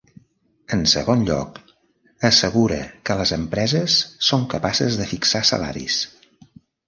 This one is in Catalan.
En segon lloc, assegura que les empreses són capaces de fixar salaris.